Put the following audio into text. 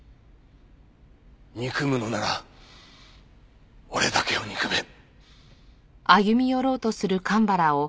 憎むのなら俺だけを憎め。